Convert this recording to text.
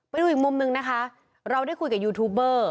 ไปดูอีกมุมหนึ่งนะคะเราได้คุยกับยูทูบเบอร์